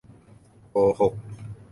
โกหก